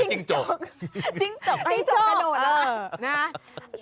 จิ้งจกจิ้งจกกระโดดอะไร